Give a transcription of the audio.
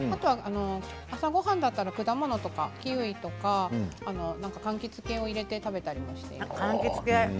朝ごはんだったら果物とかキウイとか、かんきつ系を入れて食べたりもしています。